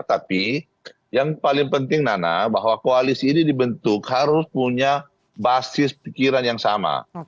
tapi yang paling penting nana bahwa koalisi ini dibentuk harus punya basis pikiran yang sama